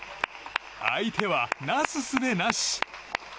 相手は、なすすべなし。